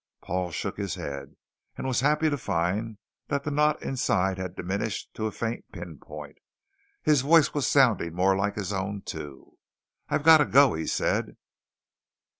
Paul shook his head and was happy to find that the knot inside had diminished to a faint pinpoint. His voice was sounding more like his own, too. "I've got to go," he said.